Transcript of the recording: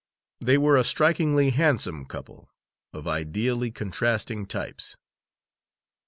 They were a strikingly handsome couple, of ideally contrasting types.